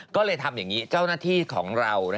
ก็เลยทำอย่างนี้เจ้าหน้าที่ของเรา